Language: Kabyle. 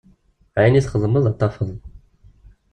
Ayen i txedmeḍ ad t-tafeḍ.